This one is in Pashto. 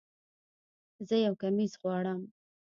زه یو کمیس غواړم